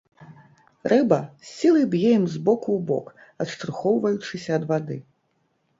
Рыба з сілай б'е ім з боку ў бок, адштурхоўваючыся ад вады.